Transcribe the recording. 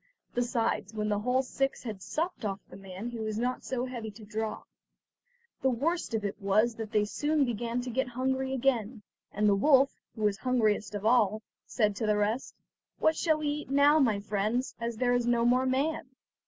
Besides, when the whole six had supped off the man he was not so heavy to draw. The worst of it was that they soon began to get hungry again, and the wolf, who was the hungriest of all, said to the rest: "What shall we eat now, my friends, as there is no more man?"